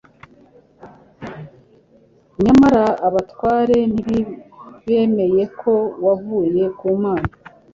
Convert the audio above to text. nyamara abatware ntibemeye ko wavuye ku Mana.